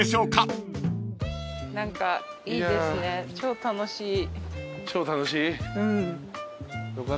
超楽しい。